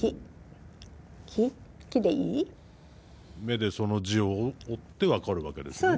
目でその字を追って分かるわけですね。